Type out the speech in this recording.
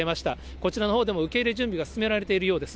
こちらのほうでも受け入れ準備が進められているようです。